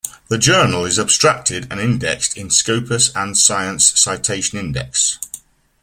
The journal is abstracted and indexed in Scopus and Science Citation Index.